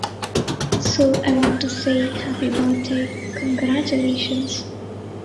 So I want to say, Happy birthday, congratulations.